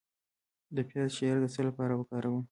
د پیاز شیره د څه لپاره وکاروم؟